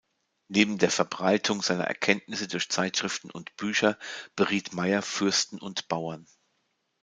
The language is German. Neben der Verbreitung seiner Erkenntnisse durch Zeitschriften und Bücher beriet Mayer Fürsten und Bauern.